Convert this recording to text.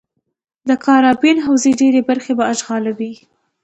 د کارابین حوزې ډېرې برخې به اشغالوي.